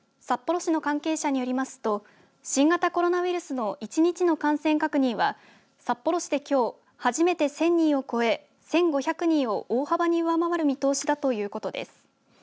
札幌市の関係者によりますと新型コロナウイルスの１日の感染確認は札幌市できょう初めて１０００人を超え１５００人を大幅に上回る見通しだということです。